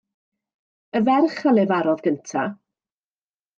Y ferch a lefarodd gyntaf.